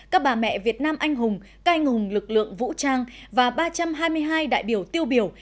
các bà mẹ việt nam anh hùng cai ngùng lực lượng vũ trang và ba trăm hai mươi hai đại biểu tiêu biểu